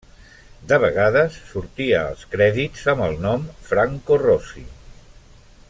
De vegades sortia als crèdits amb el nom Franco Rosi.